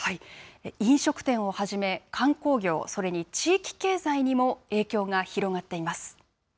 飲食店をはじめ、観光業、それに地域経済にも影響が広がっています。